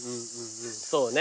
そうね。